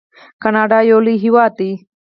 کاناډا یو لوی هیواد دی.